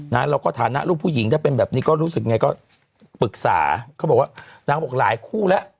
เราก็ฐานะลูกผู้หญิงถ้าเป็นแบบนี้ก็รู้สึกไงก็ปรึกษาเขาบอกว่านางบอกหลายคู่แล้ว